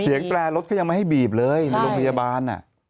เสียงแปลรถก็ยังไม่ให้บีบเลยโรงพยาบาล